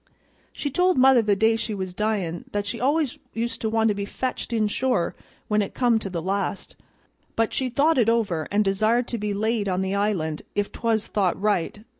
She told mother the day she was dyin' that she always used to want to be fetched inshore when it come to the last; but she'd thought it over, and desired to be laid on the island, if 'twas thought right.